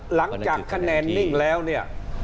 หลังจากคะแนนนิ่งแล้วเนี่ย